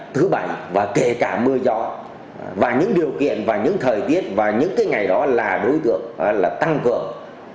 thứ bảy và kể cả mưa gió và những điều kiện và những thời tiết và những ngày đó là đối tượng tăng cường